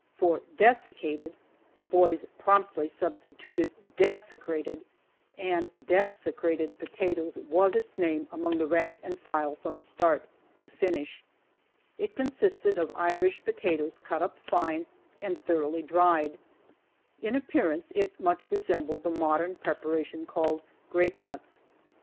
For "desiccated" the boys promptly substituted "desecrated," and "desecrated potatoes" was its name among the rank and file from start to finish. It consisted of Irish potatoes cut up fine and thoroughly dried. In appearance it much resembled the modern preparation called "grape nuts."